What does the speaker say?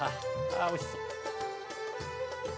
あおいしそう。